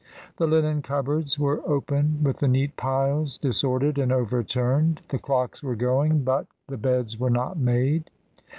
The linen cupboards were open with the neat piles dis ordered and over turned, the clocks were going, but IN AN EMPTY APARTMENT. 25 1 the beds were not made.